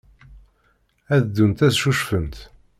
Ad ddunt ad ccucfent.